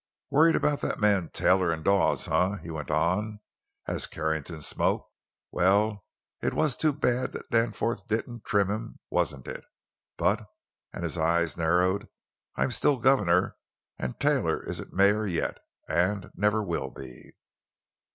"Worried about that man Taylor, in Dawes, eh?" he went on, as Carrington smoked. "Well, it was too bad that Danforth didn't trim him, wasn't it? But"—and his eyes narrowed—"I'm still governor, and Taylor isn't mayor yet—and never will be!"